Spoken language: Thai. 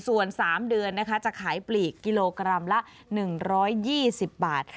ส่วน๓เดือนนะคะจะขายปลีกกิโลกรัมละ๑๒๐บาท